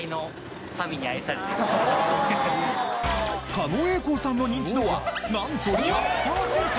狩野英孝さんのニンチドはなんと１００パーセント！